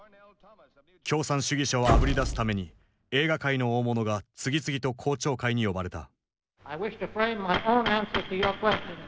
共産主義者をあぶり出すために映画界の大物が次々と公聴会に呼ばれた。